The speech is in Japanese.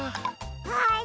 はい！